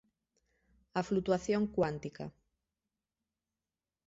A flutuación cuántica